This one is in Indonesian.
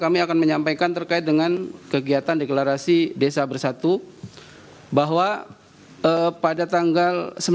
kami akan menyampaikan terkait dengan kegiatan deklarasi desa bersatu bahwa pada tanggal